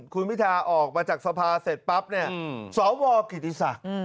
คุณพิทาออกมาจากสภาเสร็จปั๊บเนี่ย